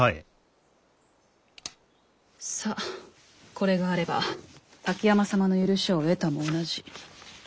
さっこれがあれば滝山様の許しを得たも同じ。